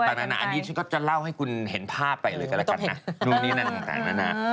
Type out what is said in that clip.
ตั้งแต่นานนี้ก็จะเล่าให้คุณเห็นภาพไปเลยกันละกันนะ